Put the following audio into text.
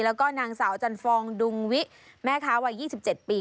แล้วก็นางสาวจันฟองดุงวิแม่ค้าวัย๒๗ปี